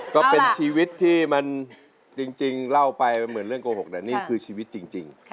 ก็เป็นชีวิตที่มันจริงเล่าไปมันเหมือนเรื่องโกหกแต่นี่คือชีวิตจริง